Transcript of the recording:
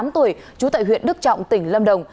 bốn mươi tám tuổi chú tại huyện đức trọng tỉnh lâm đồng